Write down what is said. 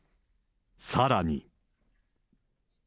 さらに。